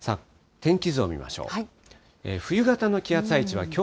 天気図を見ましょう。